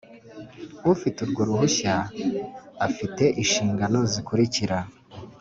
Ufite urwo ruhushya afite inshingano zikurikira